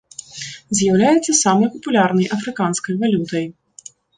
З'яўляецца самай папулярнай афрыканскай валютай.